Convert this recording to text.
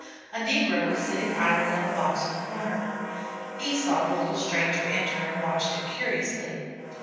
A negro was sitting idly on a box in a corner. He saw the little stranger enter and watched it curiously.